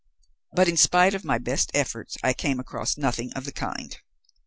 But in spite of my best efforts I came across nothing of the kind.